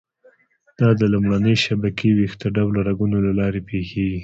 دا د لومړنۍ شبکې ویښته ډوله رګونو له لارې پېښېږي.